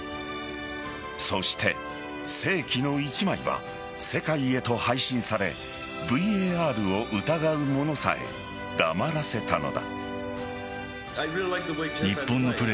そして世紀の一枚は世界へと配信されＶＡＲを疑う者さえ黙らせたのだ。